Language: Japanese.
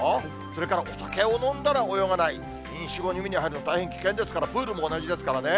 それからお酒を飲んだら泳がない、飲酒後、海に入るのは大変危険ですから、プールも同じですからね。